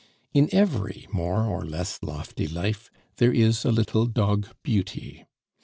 In every more or less lofty life, there is a little dog "Beauty."